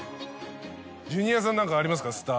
ジュニアさん何かありますか？